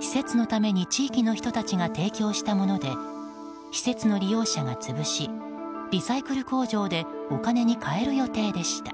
施設のために地域の人たちが提供したもので施設の利用者が潰しリサイクル工場でお金に換える予定でした。